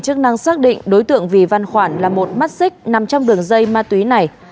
chức năng xác định đối tượng vì văn khoản là một mắt xích nằm trong đường dây ma túy này